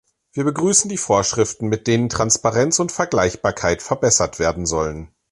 Wir begrüßen die Vorschriften, mit denen Transparenz und Vergleichbarkeit verbessert werden sollen.